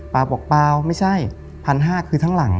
บอกเปล่าไม่ใช่๑๕๐๐คือทั้งหลัง